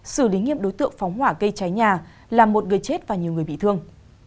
xử lý nghiêm đối tượng phóng hỏa gây cháy nhà làm một người chết và nhiều người bị thương